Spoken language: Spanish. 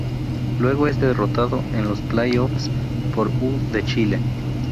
Luego es derrotado en los play offs por U de Chile.